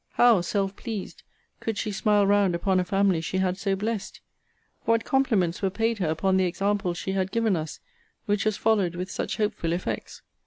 How, self pleased, could she smile round upon a family she had so blessed! What compliments were paid her upon the example she had given us, which was followed with such hopeful effects!